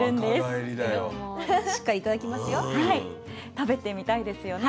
食べてみたいですよね。